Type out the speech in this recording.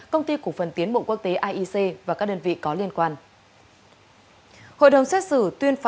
công ty cục phần tiến bộ quốc tế iec và các đơn vị có liên quan